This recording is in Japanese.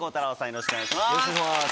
よろしくお願いします。